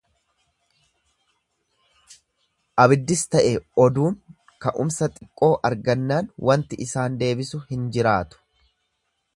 Abiddis ta'e oduun ka'umsa xiqqoo argannaan wanti isaan deebisu hin jiraatu.